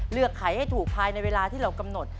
ขายให้ถูกภายในเวลาที่เรากำหนด